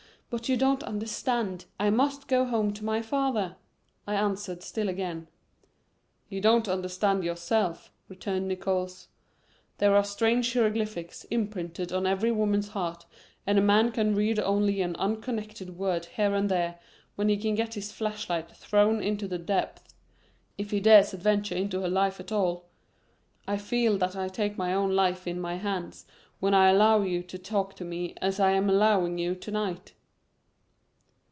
But you don't understand. I must go home to my father," I answered still again. "You don't understand yourself," returned Nickols. "There are strange hieroglyphics imprinted on every woman's heart and a man can read only an unconnected word here and there when he can get his flashlight thrown into the depths if he dares adventure into her life at all. I feel that I take my own life in my hands when I allow you to talk to me as I am allowing you to night."